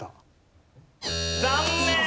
残念。